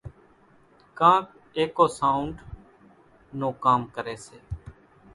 ڪانڪ اِيڪو سائونڍ نون ڪام ڪريَ سي۔